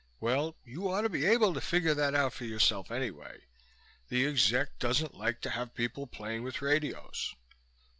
Well, you ought to be able to figure that out for yourself, anyway. The Exec doesn't like to have people playing with radios.